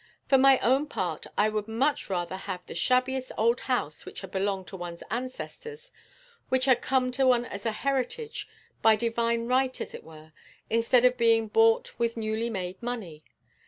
For my own part I would much rather have the shabbiest old house which had belonged to one's ancestors, which had come to one as a heritage, by divine right as it were, instead of being bought with newly made money.